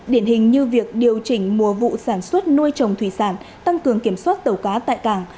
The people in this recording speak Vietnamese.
điển hình như việc điều chỉnh mùa vụ sản xuất nuôi trồng thủy sản tăng cường kiểm soát tàu cá tại cảng